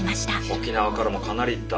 沖縄からもかなり行った。